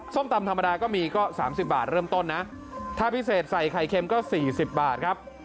ตำธรรมดาก็มีก็๓๐บาทเริ่มต้นนะถ้าพิเศษใส่ไข่เค็มก็๔๐บาทครับ